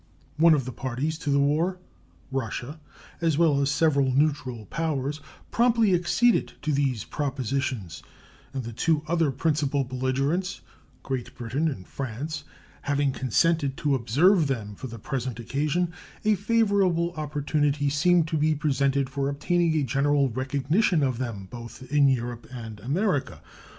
One of the parties to the war (Russia), as well as several neutral powers, promptly acceded to these propositions, and the two other principal belligerents (Great Britain and France) having consented to observe them for the present occasion, a favorable opportunity seemed to be presented for obtaining a general recognition of them, both in Europe and America.